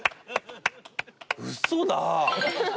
ウソだ。